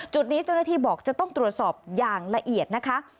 จุดนี้เจ้าหน้าที่บอกจะต้องตรวจสอบอย่างละเอียดนะคะ